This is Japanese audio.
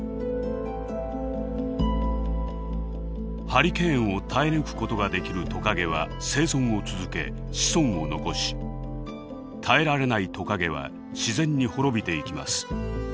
ハリケーンを耐え抜くことができるトカゲは生存を続け子孫を残し耐えられないトカゲは自然に滅びていきます。